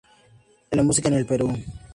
En La Música en el Perú.